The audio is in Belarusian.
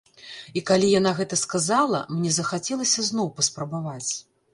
І калі яна гэта сказала, мне захацелася зноў паспрабаваць.